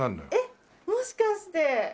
「もしかして」